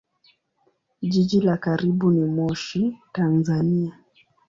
Jiji la karibu ni Moshi, Tanzania.